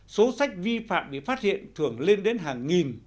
số sách vi phạm bị phát hiện thường lên đến hàng nghìn